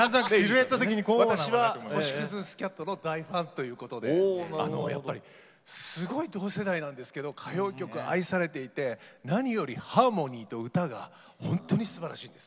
私は星屑スキャットの大ファンということでやっぱりすごい同世代なんですけど歌謡曲愛されていて何よりハーモニーと歌がほんとにすばらしいです。